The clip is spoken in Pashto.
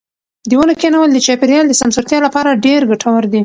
د ونو کښېنول د چاپیریال د سمسورتیا لپاره ډېر ګټور دي.